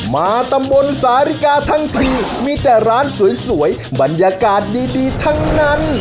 มาตำบลสาริกาทั้งทีมีแต่ร้านสวยบรรยากาศดีทั้งนั้น